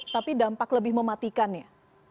tapi dampak lebih mematikannya